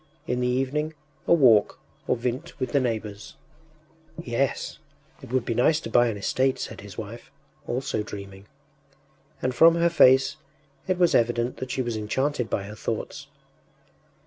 In the evening a walk or vint with the neighbours. “Yes, it would be nice to buy an estate,” said his wife, also dreaming, and from her face it was evident that she was enchanted by her thoughts.